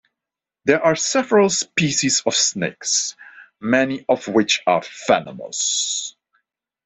There are several species of snakes, many of which are venomous.